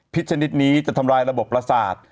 ชนิดนี้จะทำลายระบบประสาท